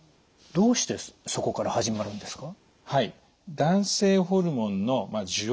どうしてそこから始まるんですか？